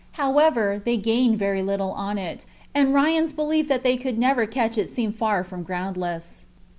However, they gained very little on it, and Ryan's belief that they could never catch it seemed far from groundless.